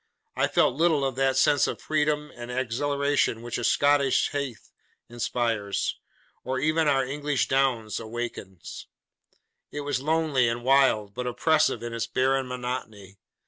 I felt little of that sense of freedom and exhilaration which a Scottish heath inspires, or even our English downs awaken. It was lonely and wild, but oppressive in its barren monotony.